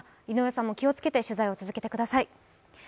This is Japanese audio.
井上さんも気をつけて取材を続けてください。